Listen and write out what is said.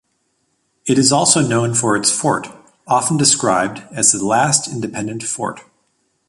It is also known for its fort, often described as the "last independent fort".